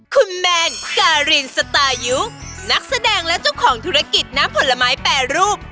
คุณแมนการินสไตลุคนักแสดงและเจ้าของธุรกิจน้ำผลไม้แปรรูป